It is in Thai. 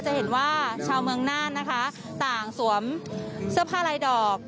จะเห็นว่าชาวเมืองน่านนะคะต่างสวมเสื้อผ้าลายดอก